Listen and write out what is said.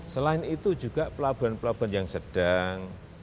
selain itu juga pelabuhan pelabuhan yang sedang